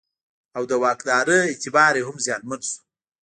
او د واکدارۍ اعتبار یې هم زیانمن شو.